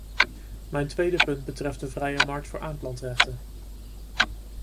Mijn tweede punt betreft de vrije markt voor aanplantrechten?